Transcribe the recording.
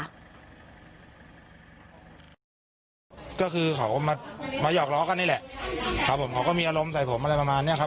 ก็คือเขามามาหยอกล้อกันนี่แหละครับผมเขาก็มีอารมณ์ใส่ผมอะไรประมาณเนี้ยครับ